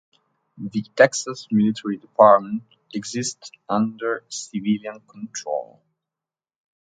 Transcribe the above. The Texas Military Department exists under civilian control.